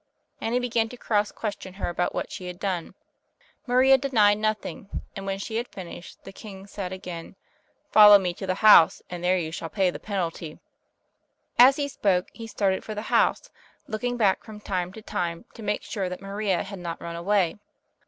And he began to cross question her about what she had done. Maria denied nothing, and when she had finished, the king said again, "Follow me to the house, and there you shall pay the penalty." As he spoke, he started for the house, looking back from time to time to make sure that Maria had not run away.